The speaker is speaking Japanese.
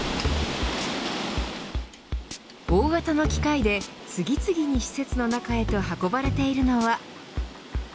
大型の機械で次々に施設の中へと運ばれているのは。